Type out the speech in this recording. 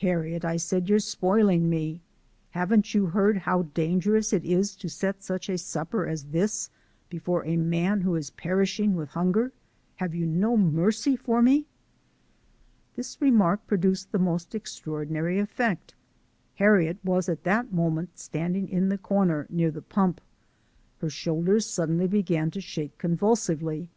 "Harriet," I said, "you're spoiling me. Haven't you heard how dangerous it is to set such a supper as this before a man who is perishing with hunger? Have you no mercy for me?" This remark produced the most extraordinary effect. Harriet was at that moment standing in the corner near the pump. Her shoulders suddenly began to shake convulsively.